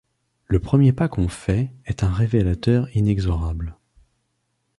Le premier pas qu’on fait est un révélateur inexorable.